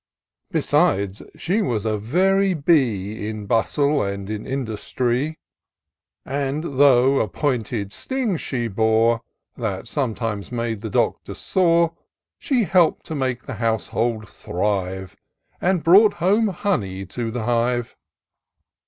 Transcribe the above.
Besides, she was a very bee In bustle and in industry; 58 TOUR OF DOCTOR SYNTAX And though a pointed sting she bore, That sometimes made the Doctor sore, She help'd to make the household thrive. And brought home honey to the hive.